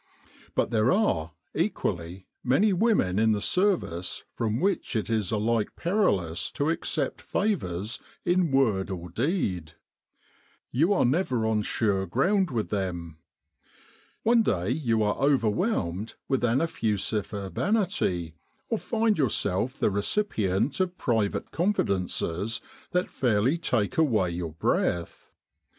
But there are, equally, many women in the Service from which it is alike perilous to accept favours in word or in deed. You are never on With the R.A.M.C. in Egypt sure ground with them. One day you are over whelmed with an effusive urbanity, or find yourself the recipient of private confidences that fairly take away your breath.